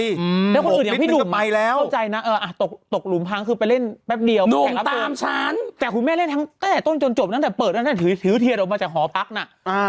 แล้วคนอื่นอย่างพี่หนุ่มตกหลุมพังคือไปเล่นแป๊บเดียวแขกรับสูตรแต่คุณแม่เล่นทั้งแต่ต้นจนจบตั้งแต่เปิดแล้วแท้ถือเทียดออกมาจากหอพักน่ะ